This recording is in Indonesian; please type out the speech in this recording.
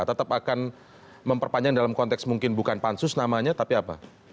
tetap akan memperpanjang dalam konteks mungkin bukan pansus namanya tapi apa